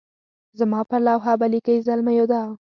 زما پر لوحه به لیکئ زلمیو دا.